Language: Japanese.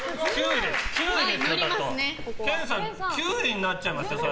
研さん９位になっちゃいますよ。